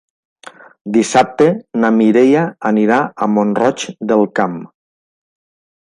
Dissabte na Mireia anirà a Mont-roig del Camp.